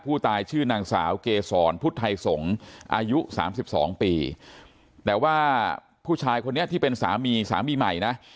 ผู้ตายชื่อนางสาวเกษรพุทธไทยสงฆ์อายุสามสิบสองปีแต่ว่าผู้ชายคนนี้ที่เป็นสามีสามีใหม่นะ